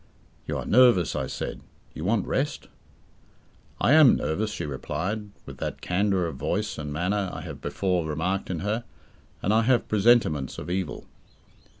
"You are nervous," I said. "You want rest." "I am nervous," she replied, with that candour of voice and manner I have before remarked in her, "and I have presentiments of evil."